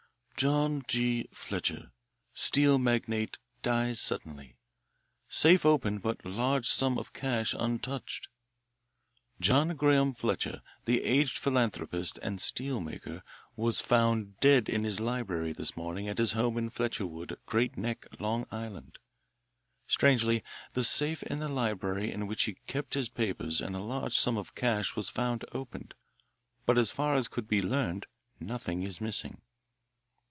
JOHN G. FLETCHER, STEEL MAGNATE, DIES SUDDENLY SAFE OPEN BUT LARGE SUM OF CASH UNTOUCHED John Graham Fletcher, the aged philanthropist and steelmaker, was found dead in his library this morning at his home at Fletcherwood, Great Neck, Long Island. Strangely, the safe in the library in which he kept his papers and a large sum of cash was found opened, but as far as could be learned nothing is missing.